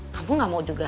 kamu enggak mau juga